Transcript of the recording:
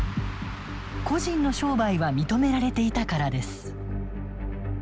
個人の商売は認められていたからです。